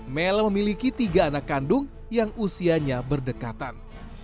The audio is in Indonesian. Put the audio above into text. mela memiliki tiga anak kandung yang usianya berdekatan